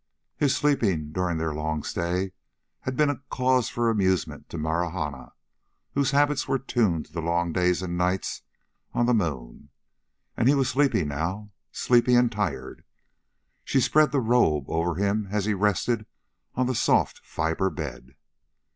His sleeping, during their long stay, had been a cause for amusement to Marahna, whose habits were tuned to the long days and nights on the moon. And he was sleepy now, sleepy and tired. She spread the robe over him as he rested on the soft fiber bed.